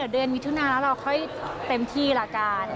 เดือนมิถุนาแล้วเราค่อยเต็มที่ละกัน